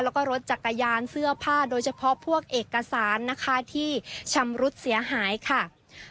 แล้วก็รถจักรยานเสื้อผ้าโดยเฉพาะพวกเอกสารนะคะที่ชำรุดเสียหายค่ะ